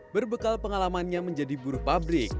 berbekal pengalamannya menjadi buruh pabrik